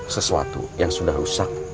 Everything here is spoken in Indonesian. sesuatu yang sudah rusak